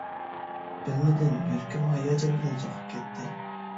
بىلمىدىم يۈرىكىم ھاياجان بىلەن سوقۇپ كەتتى.